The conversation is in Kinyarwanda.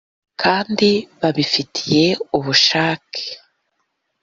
kandi babifitiye ubushake